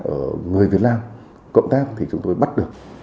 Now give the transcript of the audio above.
ở người việt nam